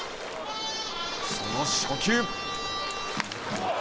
その初球。